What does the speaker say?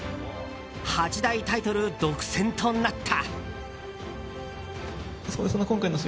八大タイトル独占となった。